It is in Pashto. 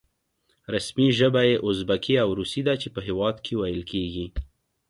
رسمي ژبه یې ازبکي او روسي ده چې په هېواد کې ویل کېږي.